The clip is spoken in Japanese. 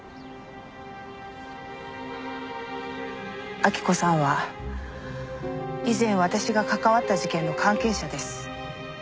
晃子さんは以前私が関わった事件の関係者です。